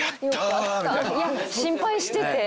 いや心配してて。